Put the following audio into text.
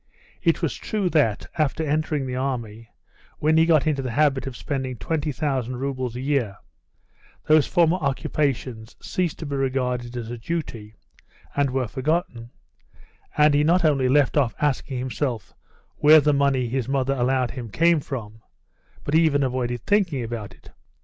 It is true that after entering the army, when he got into the habit of spending 20,000 roubles a year, those former occupations ceased to be regarded as a duty, and were forgotten, and he not only left off asking himself where the money his mother allowed him came from, but even avoided thinking about it.